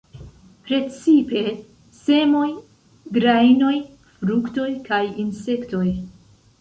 Precipe semoj, grajnoj, fruktoj kaj insektoj.